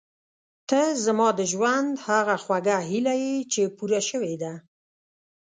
ته زما د ژوند هغه خوږه هیله یې چې پوره شوې ده.